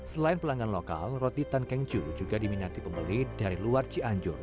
selain pelanggan lokal roti tan keng chu juga diminati pembeli dari luar cianjur